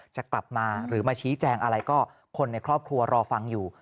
จะกลับมาหรือมาชี้แจงอะไรก็คนในครอบครัวรอฟังอยู่